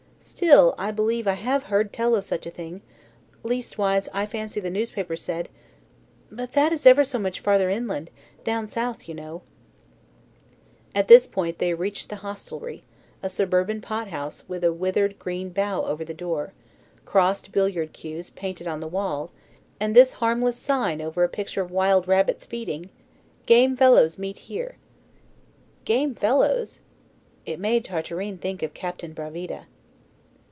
Still, I believe I have heard tell of such a thing leastwise, I fancy the newspapers said but that is ever so much farther inland down South, you know" At this point they reached the hostelry, a suburban pothouse, with a withered green bough over the door, crossed billiard cues painted on the wall, and this harmless sign over a picture of wild rabbits, feeding: "GAME FELLOWS MEET HERE." "Game fellows!" It made Tartarin think of Captain Bravida.